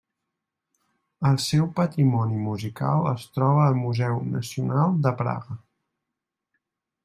El seu patrimoni musical es troba al Museu Nacional de Praga.